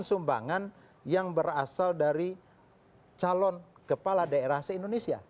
dan sumbangan yang berasal dari calon kepala daerah se indonesia